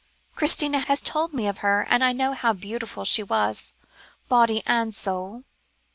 Christina has told me of her, and I know how beautiful she was, body and soul."